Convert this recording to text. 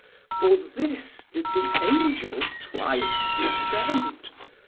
360 For this did the Angel twice descend?